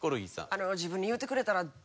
あの自分に言うてくれたら。